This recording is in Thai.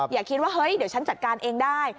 อย่าคิดว่าเฮ้ยเดี๋ยวฉันจัดการเองได้